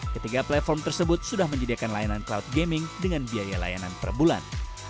ketiga platform tersebut sudah menyediakan layanan cloud gaming dengan biaya layanan per bulan